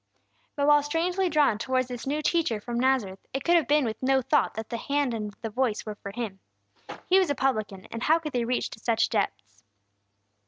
But while strangely drawn towards this new teacher from Nazareth, it could have been with no thought that the hand and the voice were for him. He was a publican, and how could they reach to such depths?